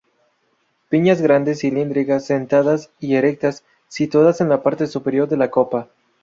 Piñas grandes, cilíndricas, sentadas y erectas, situadas en la parte superior de la copa.